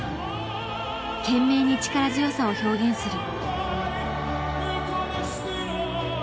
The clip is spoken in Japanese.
懸命に力強さを表現する。